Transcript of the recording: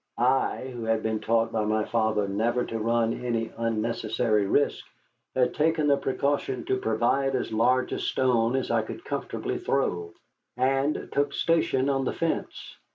I, who had been taught by my father never to run any unnecessary risk, had taken the precaution to provide as large a stone as I could comfortably throw, and took station on the fence.